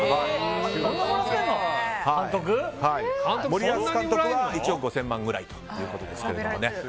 森保監督は１億５０００万くらいということですが。